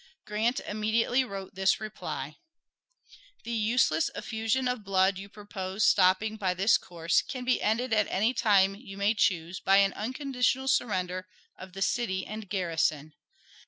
Grant immediately wrote this reply: The useless effusion of blood you propose stopping by this course can be ended at any time you may choose by an unconditional surrender of the city and garrison.